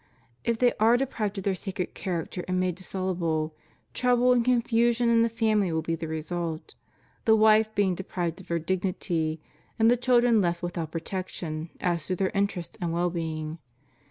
If they are deprived of their sacred character, and made dissoluble, trouble and confusion in the family will be the result, the wife being deprived of her dignity and the children left without protection as to their in terests and well being.